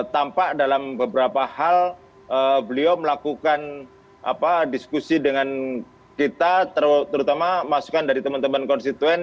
tampak dalam beberapa hal beliau melakukan diskusi dengan kita terutama masukan dari teman teman konstituen